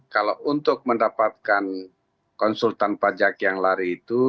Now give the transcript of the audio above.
kalau untuk mendapatkan konsultan pajak yang lari itu